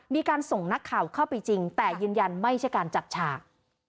มีการส่งนักข่าวเข้าไปจริงแต่ยืนยันไม่ใช่การจัดฉาก